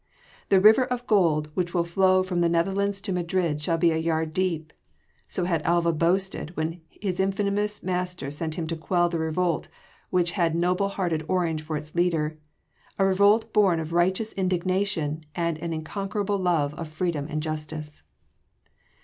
"The river of gold which will flow from the Netherlands to Madrid shall be a yard deep!" so had Alva boasted when his infamous master sent him to quell the revolt which had noble hearted Orange for its leader a revolt born of righteous indignation and an unconquerable love of freedom and of justice.